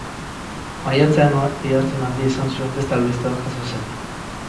Maiatzean oihartzun handia izan zuen beste albiste bat jazo zen.